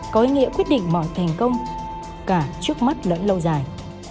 có nghĩa quyết định mọi thành công cả trước mắt lẫn lâu dài